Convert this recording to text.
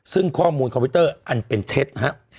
ซึ่งข้อมูลคอมพิวเตอร์อันเป็นเท็จครับ